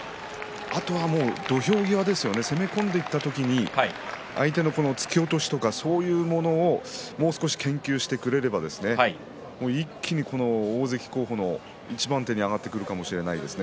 あとは土俵際ですよね攻め込んでいった時に相手の突き落としとかそういうものをもう少し研究してくれれば一気に大関候補の一番手にあがってくるかもしれませんね。